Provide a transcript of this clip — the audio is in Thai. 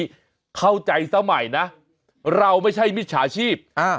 ดูโพสต์นี้เข้าใจเสมอใหม่นะเราไม่ใช่มิจฉาชีพอ่า